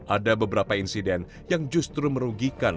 ada beberapa insiden yang justru merugikan